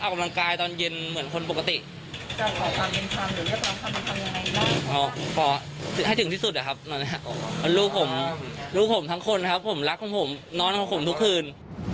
ผมรักคุณผมนอนคุณผมทุกคืน